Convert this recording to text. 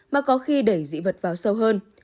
mà có khi đẩy dị vật vào sâu hơn